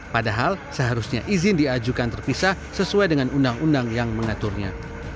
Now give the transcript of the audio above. padahal seharusnya izin diajukan terpisah sesuai dengan undang undang yang mengaturnya